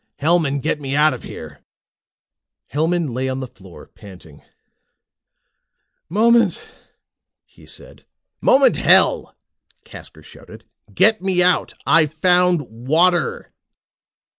Hellman, get me out of here!" Hellman lay on the floor panting. "Moment," he said. "Moment, hell!" Casker shouted. "Get me out. I've found water!"